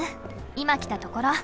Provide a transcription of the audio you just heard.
今来たところ。